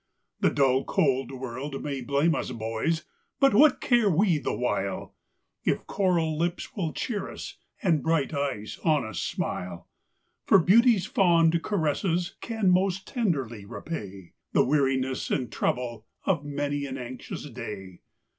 The dull, cold world may blame us, boys! but what care we the while, If coral lips will cheer us, and bright eyes on us smile? For beauty's fond caresses can most tenderly repay The weariness and trouble of many an anxious day.